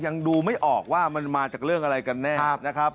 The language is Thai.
ยังดูไม่ออกว่ามันมาจากเรื่องอะไรกันแน่นะครับ